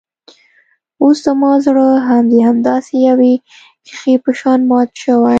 اوس زما زړه هم د همداسې يوې ښيښې په شان مات شوی.